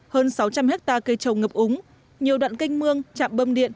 hơn sáu trăm linh hectare cây trồng ngập úng nhiều đoạn canh mương chạm bâm điện